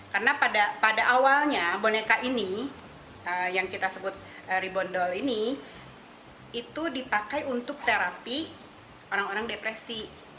karena pada awalnya boneka ini yang kita sebut reborn doll ini itu dipakai untuk terapi orang orang depresi